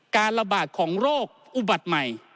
การระบาดของโรคอุบัติใหม่